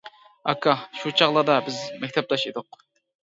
ئاكا، شۇ چاغلاردا بىز مەكتەپداش ئىدۇق.